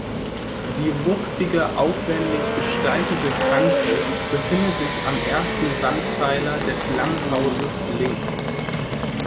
Die wuchtige, aufwändig gestaltete Kanzel befindet sich am ersten Wandpfeiler des Langhauses links.